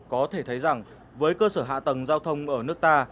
có thể thấy rằng với cơ sở hạ tầng giao thông ở nước ta